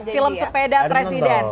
film sepeda presiden